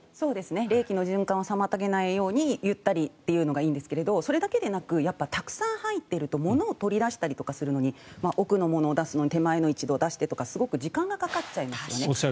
冷気の循環を妨げないようにゆったりというのがいいんですけどそれだけではなくやっぱりたくさん入っているとものを取り出したりとかするのに奥のものを出すのに手前のを一度出してとかすごく時間がかかっちゃいますよね。